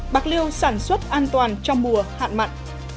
bạc liêu sản xuất an toàn trong mùa hạn mặn